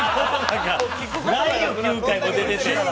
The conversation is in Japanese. ないよ、９回も出てて。